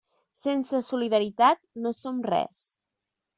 Sense solidaritat no som res.